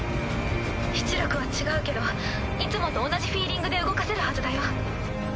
出力は違うけどいつもと同じフィーリングで動かせるはずだよ。